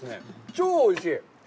超おいしい！